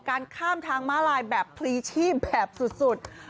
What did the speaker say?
การข้ามทางม้าลายแบบพลีชีพแบบสุด